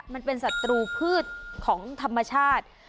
มันเป็นศัตรูพืชของธรรมชาติ